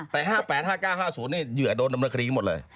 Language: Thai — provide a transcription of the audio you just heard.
แต่๕๘๕๙๕๐เนี่ยเหยื่อโดนดำเนื้อครีมหมดเลย